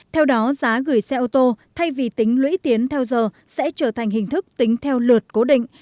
theo đó giá gửi xe ô tô thay vì tính lưỡi tiến theo giờ sẽ trở thành hình thức tính theo lượt cố định